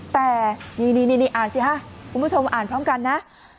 แต่นี่อ่านสิฮะคุณผู้ชมอ่านพร้อมกันนะ